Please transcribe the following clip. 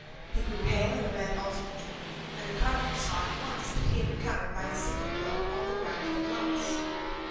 He grew pale and red alternately; and the cardinal saw at once that he had recovered by a single blow all the ground he had lost.